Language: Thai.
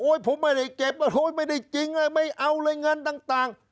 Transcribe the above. โอ้โหผมไม่ได้เก็บโอ้โหไม่ได้จริงไม่เอาเลยเงินต่างต่าง